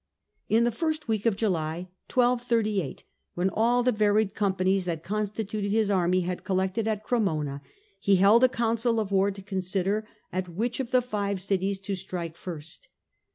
In the first week of July, 1238, when all the varied companies that constituted his army had collected at Cremona, he held a council of war to consider at which of the five cities to strike first.